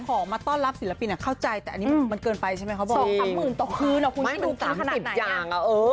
ขอมาต้อนรับศิลปินเข้าใจแต่อันนี้มันเกินไปใช่มั้ยเขาบอก๒๓หมื่นต่อคืนอ่ะคุณชิคกี้พายดูขนาดไหน